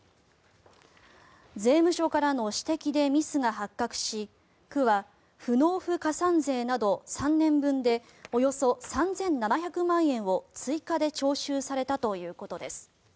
税務署からの指摘でミスが発覚し区は不納付加算税など３年分でおよそ３７００万円を追加で徴収されたということです。